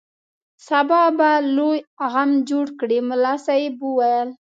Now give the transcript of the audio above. سبا به بل لوی غم جوړ کړي ملا صاحب وویل.